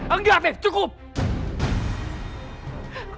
enggak fir cukup